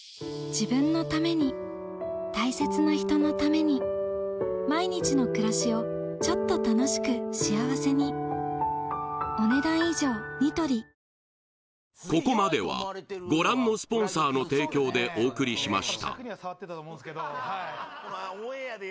自分のために大切な人のために毎日の暮らしをちょっと楽しく幸せにもう絶対今日決めるわお願いします